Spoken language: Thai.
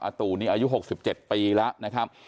อาตูนี้อายุหกสิบเจ็ดปีแล้วนะครับ